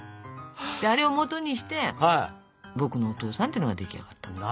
であれをもとにして「ぼくのお父さん」っていうのが出来上がったんだってね。